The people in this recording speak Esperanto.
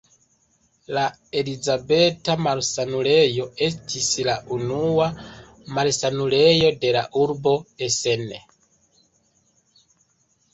La Elizabeta-Malsanulejo estis la unua malsanulejo de la urbo Essen.